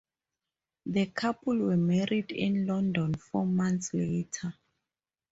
The couple were married in London four months later.